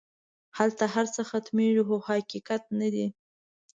هلته هر څه ختمېږي خو حقیقت نه.